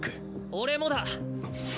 俺もだ。